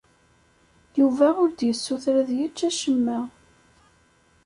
Yuba ur d-yessuter ad yečč acemma.